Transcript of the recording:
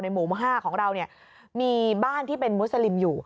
หมู่๕ของเราเนี่ยมีบ้านที่เป็นมุสลิมอยู่